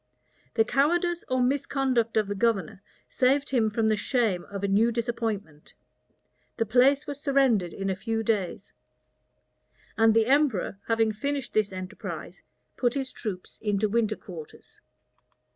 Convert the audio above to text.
The cowardice or misconduct of the governor saved him from the shame of a new disappointment. The place was surrendered in a few days; and the emperor, having finished this enterprise, put his troops into winter quarters.